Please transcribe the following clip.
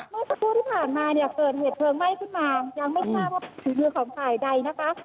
เมื่อสักครู่ที่ผ่านมาเนี่ยเกิดเหตุเพลิงไหม้ขึ้นมายังไม่ทราบว่าฝีมือของฝ่ายใดนะคะ